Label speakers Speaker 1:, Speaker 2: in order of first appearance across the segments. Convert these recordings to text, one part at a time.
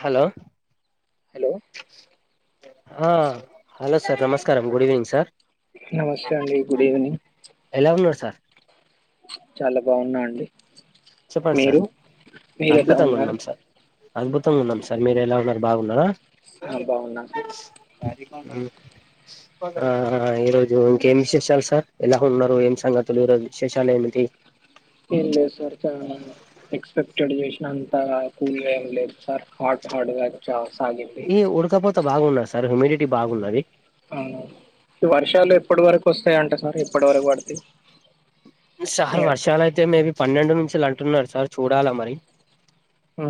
Speaker 1: Hello
Speaker 2: hello
Speaker 1: hello sir నమస్కారం good evening sir
Speaker 2: నమస్తే అండి గుడ్ ఈవినింగ్
Speaker 1: ఎలా ఉన్నారు సార్
Speaker 2: చాలా బాగున్నా అండి
Speaker 1: చెప్పండి సార్
Speaker 2: మీరు మీరు ఎలా
Speaker 1: అద్భుతంగా
Speaker 2: ఉన్నారు
Speaker 1: ఉన్నాం అద్భుతంగా ఉన్నాం సార్ మీరు ఎలా ఉన్నారు బాగున్నారా
Speaker 2: ఆ బాగున్నా సార్
Speaker 1: గరి కొ [unintelligible] ఆ ఈరోజు ఇంకేం విశేషాలు సార్ ఎలా ఉన్నారు ఏం సంగతులు ఈ రోజు విశేషాలు ఏమిటి
Speaker 2: ఏం లేవు సార్ చ ఎక్స్పెక్టెడ్ చేసినంత కూల్ గా ఏం లేదు సార్ హార్ట్ హార్డ్ గా సాగింది
Speaker 1: ఈ ఉడకపోత బాగున్నది సార్ హ్యూమిడిటీ బాగున్నది
Speaker 2: అవును ఈ వర్షాలు ఎప్పటి వరకు వస్తాయి అంట సార్ ఎప్పటి వరకు పడుతాయి
Speaker 1: సార్ వర్షాలు అయితే మేబీ పన్నెండు నుంచి అంటున్నారు సార్ చూడాలి మరి
Speaker 2: హా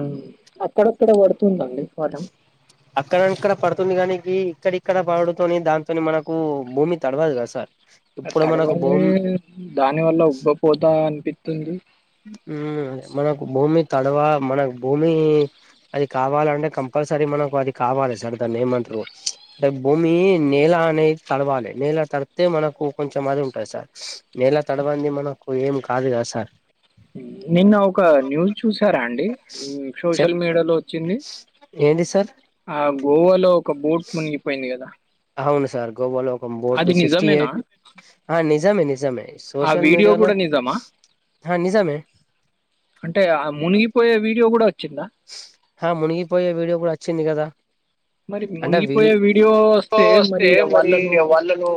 Speaker 2: అక్కడక్కడ పడుతుందండి పదం
Speaker 1: అక్కడక్కడ పడుతుంది కానికి ఇక్కడక్కడ పడడుతోని దాంతో మనకు భూమి తడవదు కదా సార్ ఇప్పుడు మనకు
Speaker 2: తడవలె
Speaker 1: భూమి
Speaker 2: దాని వల్ల ఉబ్బపోతా అనిపిస్తుంది
Speaker 1: ఉమ్ మనకు భూమి తడవా మనకు భూమి అది కావాలంటే కంపల్సరీ మనకు అది కావాలి సార్ దాన్ని ఏమంటారు అంటే భూమి నేల అనేది తడవాలి నేల తడితే మనకు కొంచెం అది ఉంటుంది సార్ నెల తడవనిది మనకు ఏం కాదు కదా సార్
Speaker 2: నిన్న ఒక న్యూస్ చూసారా అండి
Speaker 1: చెప్
Speaker 2: సోషల్ మీడియాలో వచ్చింది
Speaker 1: ఏంటి సార్
Speaker 2: ఆ గోవాలో ఒక బోట్ మునిగిపోయింది కదా
Speaker 1: అవును సార్ గోవాలో ఒక బోట్
Speaker 2: అది
Speaker 1: సిక్స్టీ
Speaker 2: నిజమేనా
Speaker 1: ఎయిట్ ఆ నిజమే నిజమే
Speaker 2: ఆ
Speaker 1: సోషల్
Speaker 2: వీడియో
Speaker 1: మీడియాలో
Speaker 2: కూడా నిజమా
Speaker 1: హ నిజమే
Speaker 2: అంటే ఆ మునిగిపోయే వీడియో కూడా వచ్చిందా
Speaker 1: హా మునిగిపోయే విడియో కూడా వచ్చింది కదా
Speaker 2: మరి
Speaker 1: అంటే అవి
Speaker 2: మునిగిపోయే వీడియో
Speaker 1: [unintelligible] వస్తే మరి
Speaker 2: వాళ్ళను
Speaker 1: వాళ్ళను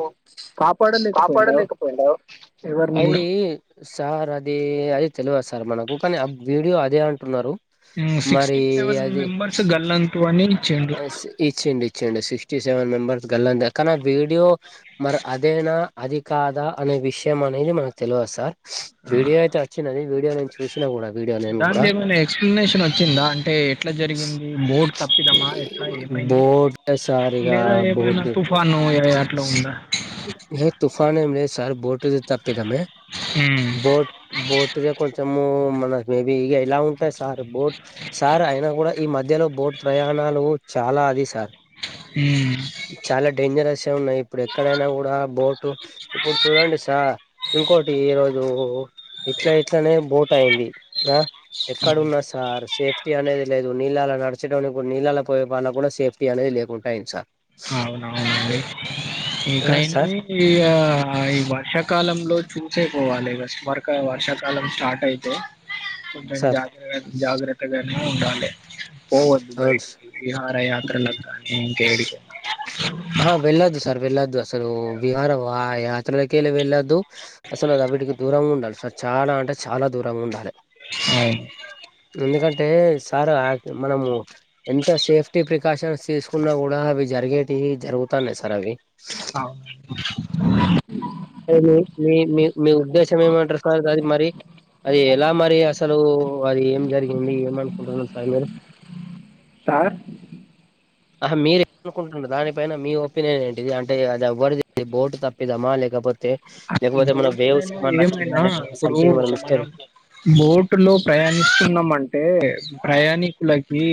Speaker 2: కాపాడలేకపోయిండా
Speaker 1: కాపాడలేకపోయిండ్ర
Speaker 2: ఎవరిని
Speaker 1: అది
Speaker 2: కూడా
Speaker 1: సార్ అది అద తెలియదు సార్ మనకు కానీ ఆ వీడియో అదే అంటున్నారు
Speaker 2: హా
Speaker 1: మరి
Speaker 2: సిక్స్టీ సెవెన్
Speaker 1: అది
Speaker 2: మెంబర్స్ గల్లంతు అని ఇచ్చిండు
Speaker 1: స్ ఇచ్చిండు ఇచ్చిండు సిక్స్టీ సెవెన్ మెంబర్స్ గల్లంత్ కానీ ఆ వీడియో మరి అదేనా అది కాదా అనే విషయం అనేది మనకు తెలవదు సార్
Speaker 2: ఆ,
Speaker 1: వీడియో అయితే వచ్చినది వీడియో నేను చూసినా కూడా వీడియో నేను కూడా
Speaker 2: దాన్ది ఏమన్న ఎక్స్ప్లనేషన్ వచ్చిందా అంటే ఎట్లా జరిగింది బోటు తప్పిదమా ఎట్లా ఏమైంది
Speaker 1: బోట్ సార్ ఇగ
Speaker 2: లేదా ఏమైన
Speaker 1: బోట్
Speaker 2: తుఫాన్ తుఫాన్ ఈవే అట్ల ఉందా
Speaker 1: ఏ తుఫాన్ ఏమీ లేదు సార్ బోట్ తప్పిదమే
Speaker 2: ఉమ్
Speaker 1: బోట్ బోటుదే కొంచము మన మేబీ ఇ ఇలా ఉంటాయి సార్ బోట్ సార్ అయినా కూడా ఈ మధ్యలో బోట్ ప్రయాణాలు చాలా అది సార్
Speaker 2: హ్మ్
Speaker 1: చాలా డేంజరస్ ఉన్నాయి ఇప్పుడు ఎక్కడైనా కూడా బోట్ ఇప్పుడు చూడండి సార్ ఇంకోటి ఈరోజు ఇట్లా ఇట్లనే బోట్ అయింది ఆ
Speaker 2: ఉమ్
Speaker 1: ఎక్కడున్నా స సార్ సేఫ్టీ అనేది లేదు నీళ్ళలో నడచడానికి కూడా నీళ్ళలో పోయే వాళ్ళకు కూడా సేఫ్టీ అనేది లేదు సై సార్
Speaker 2: అవునవునండి ఇంకా
Speaker 1: ఆ
Speaker 2: ఏమి
Speaker 1: సార్
Speaker 2: ఇగా ఈ వర్షాకాలంలో చూసే పోవాలి వర్క్ ఇక వర్షాకాలం స్టార్ట్ అయితే కొంచం
Speaker 1: సార్
Speaker 2: జాగ్ర జాగ్రత్త త్త గానే ఉండాలి పోవద్దు
Speaker 1: అవును సార్
Speaker 2: బయటికి విహార యాత్రలకు కానీ ఇంకేడికైనా
Speaker 1: ఆ వెళ్లొద్దు సర్ వెళ్లొద్దు అసలు విహార వా యాత్రలకిల వెళ్లొద్దు అసలువిటికి దూరంగా ఉండాలి సార్ చాలా అంటే చాలా దూరంగా ఉండాలి
Speaker 2: అవును
Speaker 1: ఎందుకంటే సార్ మనము ఎంత సేఫ్టీ ప్రికాషన్స్ తీసుకున్నా కూడా అవి జరిగేటివి జరుగుతాన్నాయి సార్ అవి
Speaker 2: అవు
Speaker 1: అ మీ మీ మీ ఉద్దేశం ఏమంటారు కా అది మరి అది ఎలా మరి అసలు అసలు అది ఏం జరిగింది ఏమనుకుంటున్నారు సార్ మీరు
Speaker 2: ఆ
Speaker 1: అహా మీరేనుకుంటు దానిపైన మీ ఒపీనియన్ ఏంటిది అంటే అది ఎవ్వరిది బోటు తప్పిదామా లేకపోతే పోతే మన వేవ్స్
Speaker 2: బోటుకైనా ఏమైనా ఇప్పుడు మనం
Speaker 1: [unintelligible]
Speaker 2: బోటు లో ప్రయాణిస్తున్నాం అంటే ప్రయాణికుల కి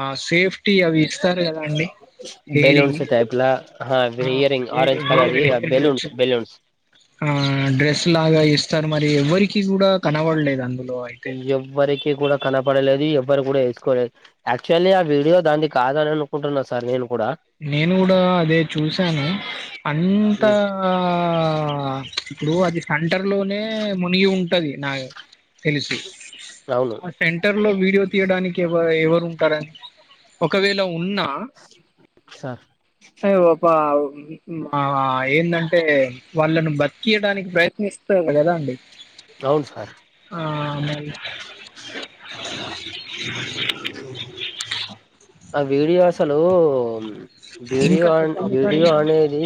Speaker 2: ఆ సేఫ్టీ అవి ఇస్తారు కదా అండి హేరి
Speaker 1: బెలూన్స్ టైప్లా
Speaker 2: ఆ
Speaker 1: ఇయరింగ్
Speaker 2: హే
Speaker 1: ఆరెంజ్ కలర్
Speaker 2: హేర్
Speaker 1: ఇ
Speaker 2: హెయిర్
Speaker 1: బెలూన్స్
Speaker 2: డెడక్షన్
Speaker 1: బెలూన్స్
Speaker 2: ఆ డ్రెస్ లాగా ఇస్తారు మరి ఎవ్వరికి కూడా కనవడలేదు అందులో అయితే
Speaker 1: ఎవ్వరికీ కూడా కనపడలేదు ఎవ్వరు కూడా వేసుకోలేదు యాక్చువల్లీ ఆ వీడియో దానిది కాదని అనుకుంటున్నా సార్ నేను కూడా
Speaker 2: నేను కూడా అదే చూసాను అంత
Speaker 1: ఉమ్
Speaker 2: ఆ ఇప్పుడు అది సెంటర్ లోనే మునిగి ఉంటది నా [unintelligible] తెలిసి
Speaker 1: అవును
Speaker 2: ఆ సెంటర్ లో వీడియో తీయడానికి ఎవ ఎవరు ఉంటారని ఒకవేళ ఉన్నా
Speaker 1: స సా
Speaker 2: ఆ ఒక ఆ ఏందంటే వాళ్ళను బతికీయడానికి ప్రయత్నిస్తారు కదా అండి
Speaker 1: అవును సార్
Speaker 2: ఆ మరి
Speaker 1: ఆ వీడియో అసలు వీడియో
Speaker 2: ఇంకా
Speaker 1: అ
Speaker 2: చెప్పండి సార్
Speaker 1: వీడియో
Speaker 2: ఇంకా
Speaker 1: అనేది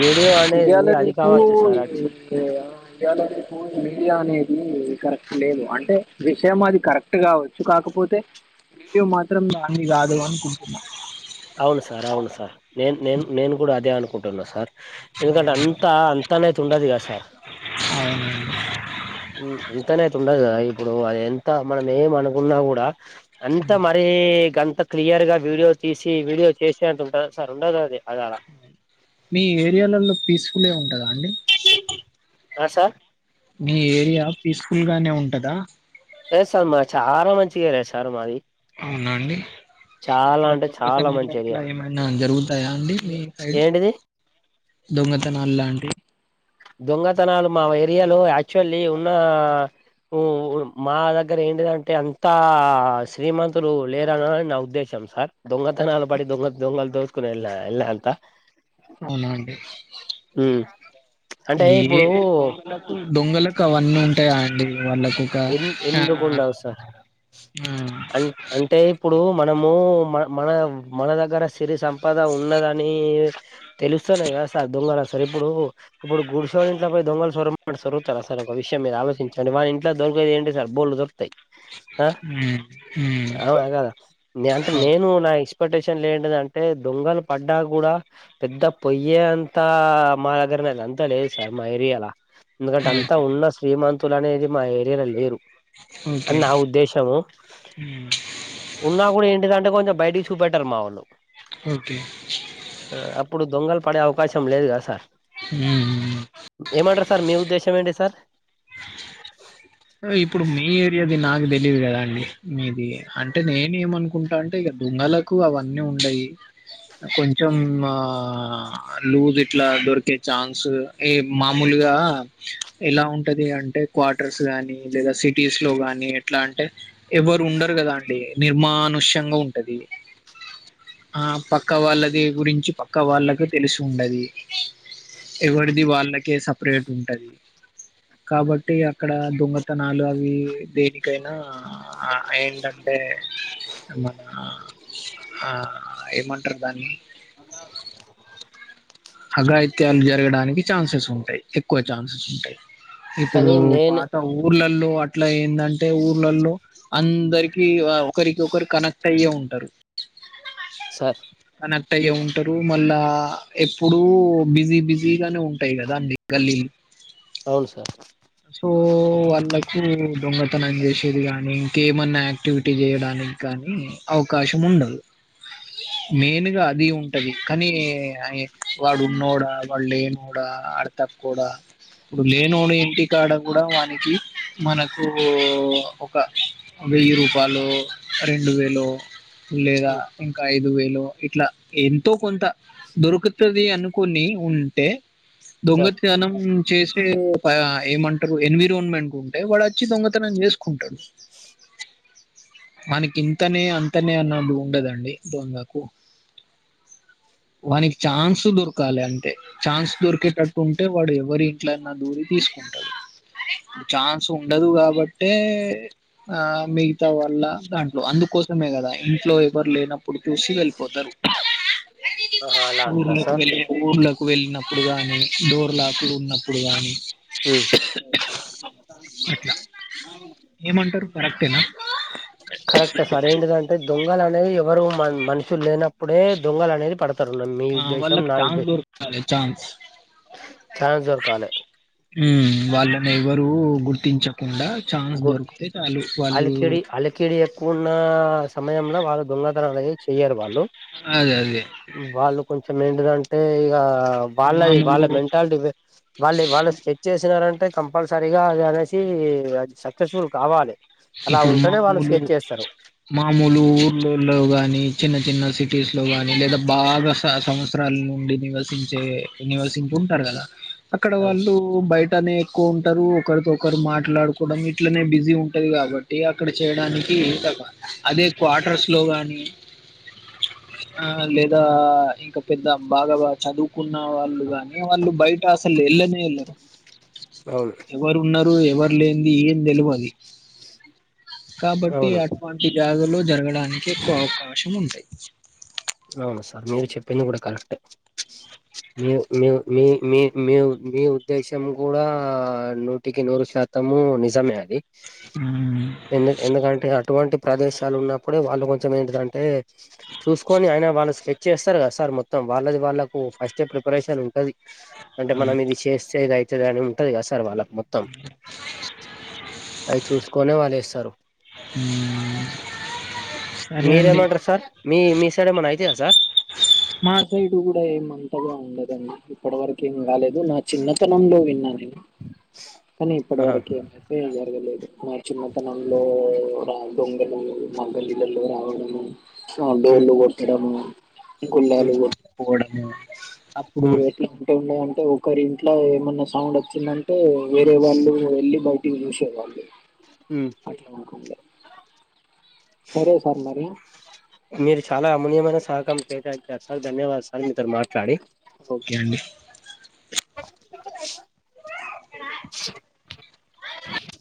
Speaker 1: వీడియో అనేది అది కావచ్చు సర్ వచ్చి
Speaker 2: లో మీడియా అనేది కరెక్ట్ లేదు అంటే విషయం అది కరెక్ట్ ట్ కావచ్చు కాకపోతే వీడియో మాత్రం దాన్ది కాదు అనుకుంటున్నా
Speaker 1: అవును సార్ అవును సార్ నేను నేను నేను కూడా అదే అనుకుంటున్నా సార్ ఎందుకంటే అంతా అంతనైతే ఉండదు కదా సార్
Speaker 2: అవునండి
Speaker 1: ఉమ్ ఎంతనేైతే ఉండదు కదా ఇప్పుడు అది ఎంత మనం ఏమనుకున్నా కూడా అంతా మరి తే గంతా క్లియర్‌గా వీడియో తీసి వీడియో చేసే అంత ఉంటదా సార్ ఉండదది అది అలా
Speaker 2: మీ ఏరియాల్లలో పీస్ఫులే ఉంటాదా అండి
Speaker 1: ఆ సార్
Speaker 2: మీ ఏరియా పీస్ఫుల్గానే ఉంటదా
Speaker 1: ఏ సార్ మాది చాలా మంచి ఏరియా సార్ మాది
Speaker 2: అవునండి
Speaker 1: చాలా అంటే చాలా మంచి ఏరియా
Speaker 2: అనా జరుగుతాయా అండి మీ సైడ్
Speaker 1: ఏంటిది
Speaker 2: దొంగతనాలు లాంటి
Speaker 1: దొంగతనాలు మా ఏరియాలో యాక్చువల్లీ ఉన్న ఓ మా దగ్గర ఏంటిదంటే అంతా శ్రీమంతులు లేరరని నా ఉద్దేశం సార్ దొంగతనాలు పడి దొంగ దొంగలు దోసుకుని ఎలే ఎల్లే అంత
Speaker 2: అవునండి
Speaker 1: అంటే
Speaker 2: ఏ
Speaker 1: ఇప్పుడు
Speaker 2: దొంగలకు దొంగల కు అవన్నీ ఉంటాయాండి వాళ్ళకు ఒక
Speaker 1: ఎం
Speaker 2: ఆ
Speaker 1: ఎందుకుండలా సార్
Speaker 2: ఆ
Speaker 1: అన్ అంటే ఇప్పుడు మనము మన మన మన దగ్గర సిరి సం పద ఉన్నదని తెలిస్తేనే కదా సార్ దొంగల సార్ ఇప్పుడు ఇప్పుడు గుడిషోని ఇంట్లో పోయి దొంగలు సోరుమ్ అంటే సొరుతారా సార్ ఒక విషయం మీరు ఆలోచించండి వానిం ట్లా దొరికేది ఏంటి సార్ బోల్డ్ దొరుకుతాయి ఆ
Speaker 2: మ్మ్ మ్మ్
Speaker 1: అవునా కాదా నే అంటే నేను
Speaker 2: ఓకే
Speaker 1: నా ఎక్స్పెక్టేషన్‌లో ఏంటిదంటే దొంగలు పడ్డా కూడా పెద్ద పొయ్యే అంతా మా దగ్గరన్నే అంతలేదు సార్ మా ఏరియాల ఎందుకంటే అంతా ఉన్న శ్రీమంతులు అనేది మా ఏరియాలో లేరు
Speaker 2: ఓకే
Speaker 1: అని నా ఉద్దేశము
Speaker 2: మ్మ్
Speaker 1: ఉన్నా కూడా ఏంటిదంటే కొంచెం బయటకి చూపెట్టారు మా వొళ్ళు
Speaker 2: ఓకే
Speaker 1: అప్పుడు దొంగలు పడే అవకాశం లేదు కదా సార్
Speaker 2: ఉమ్మ్
Speaker 1: ఏమంటారు సార్ మీ ఉద్దేశం ఏంటి సార్
Speaker 2: ఇప్పుడు మీ ఏరియాది నాకు తెలీయదు కదా అండి మీది అంటే నేను ఏమనుకుంటా అంటే ఇగ దొంగల కు అవన్నీ ఉండయి కొంచెం ఆ లూజ్ ఇట్లా దొరికే ఛాన్స్ ఏ మామూలుగా ఎలా ఉంటది అంటే క్వార్టర్స్ గాని లేదా సిటీస్‌లో గానీ ఎట్లా అంటే ఎవరు ఉండరు కదా అండి నిర్మానుష్యంగా ఉంటది ఆ పక్క వాళ్ళది గురించి పక్క వాళ్ళలకు తెలిసి ఉండది ఎవరిది వాళ్ళకే సపరేట్ ఉంటది కాబట్టి అక్కడ దొంగ తనాలు అవి దేనికైనా ఆ ఏంటంటే మన ఆ ఏమంటారు దాన్ని అఘాయిత్యాలు జరగడానికి ఛాన్సెస్ ఉంటాయి ఎక్కువ ఛాన్సెస్ ఉంటాయి ఇప్పుడు
Speaker 1: కానీ నేను
Speaker 2: పాత ఊర్లల్లో అట్లా ఏందంటే ఊర్లల్లో అందరికి ఆహ్ ఒకరికి ఒకరు కనెక్ట్ అయ్యే ఉంటారు.
Speaker 1: సార్.
Speaker 2: కనెక్ట్ అయ్యే ఉంటారు మళ్ళా ఎప్పుడూ బిజీ బిజీగానే ఉంటాయి కదా మీ గల్లీలు.
Speaker 1: అవును సార్.
Speaker 2: సో అన్. పరులకు దొంగతనం చేసేది కాని ఇంకేమన్నా యాక్టివిటీ చేయడానికి కానీ. అవకాశము ఉండదు. మెయిన్ గా అది ఉంటది కానీ వాడు ఉన్నాడా వాళ్ళు లేనోడ వోడ వాడు తక్కువోడ ఇప్పుడు లేనోడి ఇంటి కాడ కూడా వానికి. మనకు ఒక వెయ్యి రూపాయలో రెండు వేలో. లేదా
Speaker 1: ఉమ్,
Speaker 2: ఇంకా ఐదు వేలో ఇట్లా ఎంతో కొంత. దొరుకుతది అనుకోని ఉంటే.
Speaker 1: సార్
Speaker 2: దొంగతనం చేసే ఒక ఏమంటారు ఎన్విరాన్మెంట్ ఉంటు అంటే వాడోచ్చి దొంగతనం చేసుకుంటాడు. వాడికి ఇంతనే అంతనే అన్నది ఉండదండి దొంగకు. వానికి ఛాన్స్ దొరకాలి అంతే ఛాన్స్ దొరికేటట్టు. అంటే వాడు ఎవరి ఇంట్లాన్నా దూరి తీసుకుంటాడు చాన్స్. వుండదు కాబట్టే. ఆహ్ మిగతా వల్ల దాంట్లో అందుకోసమే కదా ఇంట్లో ఎవరు లేనప్పుడు. ఇప్పుడు చూసి వెళ్ళిపోతారు
Speaker 1: ఆహా అలా అంటారా
Speaker 2: ఊర్లోకి
Speaker 1: సార్
Speaker 2: వెళ్ళి. ఊర్లకు వెళ్ళినప్పుడు గాని డోర్ లాకులు ఉన్నప్పుడు గాని.
Speaker 1: ఉహూ.
Speaker 2: అట్లా ఏమంటారు కరెక్టేనా
Speaker 1: కరెక్టే సార్ ఏంటిదంటే దొంగలు అనేది ఎవరు మ మనుషులు లేనప్పుడే దొంగలు అనేది పడుత మీ
Speaker 2: ఆ
Speaker 1: ఉద్దేశం
Speaker 2: వాళ్ళకి
Speaker 1: నా
Speaker 2: ఛాన్స్
Speaker 1: ఉద్దేశ
Speaker 2: దొరకాలి ఛాన్స్
Speaker 1: చాన్స్ దొరకాలే.
Speaker 2: ఉమ్ వాళ్ళని ఎవరు గుర్తించకుండా ఛాన్స్ దొరికితే చాలు వాళ్ళు.
Speaker 1: కిీడు ఎక్కువ ఉన్న సమయంలో వాళ్ళు దొంగతనాలు అనేది చేయరు వాళ్ళు.
Speaker 2: అదే అదే.
Speaker 1: వాళ్ళు కొంచం ఏంటిదంటే ఇంకా
Speaker 2: ఇప్పుడు
Speaker 1: వాళ్ళది
Speaker 2: మామూలు
Speaker 1: వాళ్ళ మెంటాలిటీ వేరు వాళ్ళే వాళ్ళు స్కెచ్ చేసినారంటే కంపల్సరీగా అది అన్నేసి. అది సక్సెస్ఫుల్ కావాలి అలా
Speaker 2: ఇప్పుడు
Speaker 1: ఉంటేనే వాళ్ళు
Speaker 2: మామూలు
Speaker 1: స్కెచ్ ఏస్తారు.
Speaker 2: మామూలు ఊర్ళలో గాని చిన్న చిన్న సిటీస్ లో గాని లేదా బాగా సంస్. సంవత్సరాల నుండి నివసించే నివసింపు ఉంటారు కదా. అక్కడ
Speaker 1: అవును
Speaker 2: వాళ్ళు
Speaker 1: సార్
Speaker 2: బయటనే ఎక్కువ ఉంటారు ఒకరితో ఒకరు మాట్లాడుకోవడం ఇట్లనే బిజీ ఉంటు ఉంటది కాబట్టి అక్కడ చేయడానికి ఏ తప్ప అదే క్వార్టర్స్ లో గానీ. ఆహ్ లేదా ఇంకా పెద్ద బాగా బాగా చదువు. చదువుకున్న వాళ్ళు కాగాని వాళ్ళు బయట అసలు ఏళ్ళనే ఏళ్ళరు.
Speaker 1: అవును
Speaker 2: ఎవరు ఉన్నారు ఎవరు లేన్ది ఏం తెలువది.
Speaker 1: ఆహ్
Speaker 2: కాబట్టి అటువంటి జాగాలో జరగడానికి ఎక్కువ అవకాశం ఉంటుంది.
Speaker 1: అవును సార్ మీరు చెప్పింది కూడా కరెక్టే. మీ మీ మీ మీ మీ మీ ఉద్దేశం కూడా నూటికి నూరు శాతం. తము నిజమే అండి
Speaker 2: హ్మ్.
Speaker 1: ఎందు ఎందుకంటే అటువంటి. ప్రదేశాలు ఉన్నప్పుడే వాళ్ళు కొంచం ఏంటిదంటే చూసు కొని అయినా వాళు సెట్ చేస్తరు కద సార్ మొత్తం వాళ్ళది వాళ్ళకు ఫస్టే ప్రిపరేషన్ ఉంటది అంటే
Speaker 2: అవును.
Speaker 1: మనం ఇది చేస్తేది అయితది అని ఉంటది కదా సార్ వాళ్ళకు మొత్తం అవి చూసుకోనే వాళ్ళు ఎస్తారు
Speaker 2: హ
Speaker 1: మీరెమంటారు సార్ మీ మీ సైడ్ ఏమైనా అయితే సార్
Speaker 2: మా సైడ్ కూడా ఏమంతగా ఉండదండి ఇప్పటి వరక ఏం కాలేదు నా చిన్నతనంలో విన్నా నేను కానీ ఇప్పటి
Speaker 1: ఆహా
Speaker 2: వరక ఏమైతే జరగలేదు మా చిన్నతనంలో రా దొంగలు అందరిఇళ్లల్లో రావడము సౌండ్
Speaker 1: హ్మ్
Speaker 2: ఏందోకొట్టడం
Speaker 1: హ్మ్
Speaker 2: గొల్లాలు పోవడము అప్పుడు
Speaker 1: హ్మ్
Speaker 2: ఎట్లా వెళ్ళింటే ఒకరి ఇంట్లో ఏమన్నా సౌండ్ వచ్చిందంటే వేరే వాళ్ళు వెళ్ళి బయట చూసేవాళ్లు
Speaker 1: ఉ
Speaker 2: అనకుండే సరే సార్ మరి
Speaker 1: మీరు చాలా అమూన్యమైన సహకారం చేశారు సార్ ధన్యవాద సార్ మీతోని మాట్లాడి
Speaker 2: ఓకే అండి
Speaker 1: అ